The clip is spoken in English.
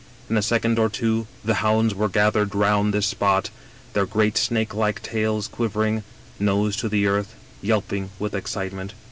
In a second or two the hounds were gathered round this spot, their great snake like tails quivering, nose to earth, yelping with excitement.